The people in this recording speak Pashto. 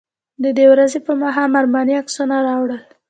د دې ورځې په ماښام ارماني عکسونه راوړل.